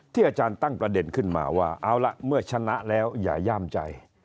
อาจารย์ตั้งประเด็นขึ้นมาว่าเอาล่ะเมื่อชนะแล้วอย่าย่ามใจ